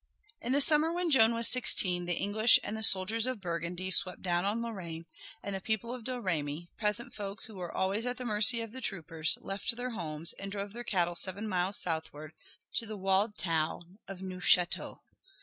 In the summer when Joan was sixteen the English and the soldiers of Burgundy swept down on Lorraine, and the people of Domremy, peasant folk who were always at the mercy of the troopers, left their homes and drove their cattle seven miles southward to the walled town of Neufchâteau.